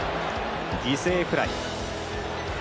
犠牲フライ。